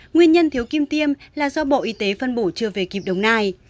nguyên nhân thiếu kim tiêm là do bộ y tế phân bổ chưa về kịp đồng nai